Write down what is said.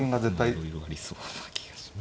いろいろありそうな気がします。